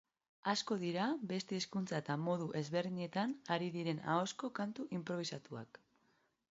Asko dira beste hizkuntza eta modu ezberdinetan ari diren ahozko kantu inprobisatuak.